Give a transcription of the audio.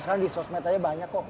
sekarang di sosmed aja banyak kok